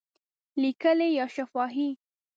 لیکلي یا شفاهی؟